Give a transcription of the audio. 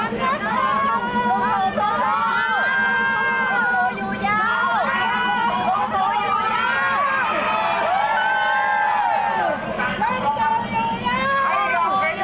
สุภาษณ์